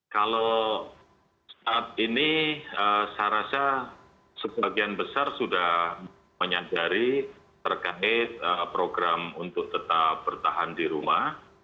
kalau saat ini saya rasa sebagian besar sudah menyadari terkait program untuk tetap bertahan di rumah